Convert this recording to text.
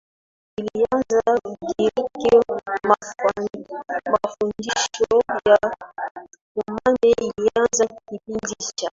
ilianza Ugiriki Mafundisho ya Truman ilianza kipindi cha